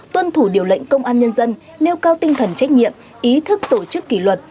tuân thủ điều lệnh công an nhân dân nêu cao tinh thần trách nhiệm ý thức tổ chức kỷ luật